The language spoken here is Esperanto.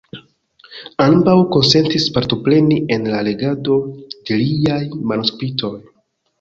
Ambaŭ konsentis partopreni en la legado de liaj manuskriptoj.